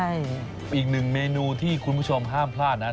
ใช่อีกหนึ่งเมนูที่คุณผู้ชมห้ามพลาดนั้น